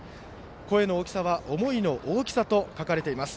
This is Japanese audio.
声の大きさは思いの大きさと書かれています。